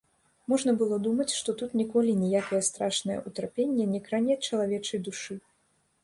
Можна было думаць, што тут ніколі ніякае страшнае ўтрапенне не кране чалавечай душы.